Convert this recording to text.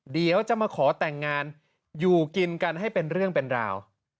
เดี๋ยวจะมาขอแต่งงานอยู่กินกันให้เป็นเรื่องเป็นราว